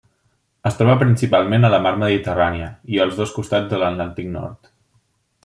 Es troba principalment a la Mar Mediterrània i als dos costats de l'Atlàntic Nord.